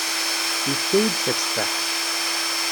Yefka-yi-d tatteffaḥt.